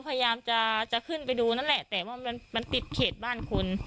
พยายามจะขึ้นไปดูนั่นแหละแต่ว่ามันติดเขตบ้านคน